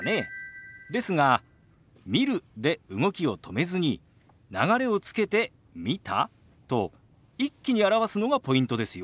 ですが「見る」で動きを止めずに流れをつけて「見た？」と一気に表すのがポイントですよ。